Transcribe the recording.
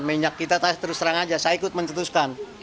minyak kita terus terang saja saya ikut mencetuskan